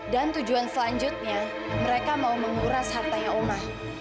tujuan selanjutnya mereka mau menguras hartanya oma